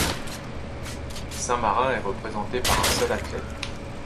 Saint-Marin est représenté par un seul athlète.